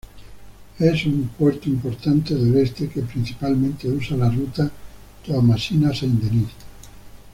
Es un puerto importante del este que principalmente usa la ruta Toamasina-Saint Denis.